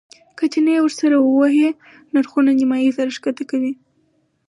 که چنې ورسره ووهې نرخونه نیمایي ته راښکته کوي.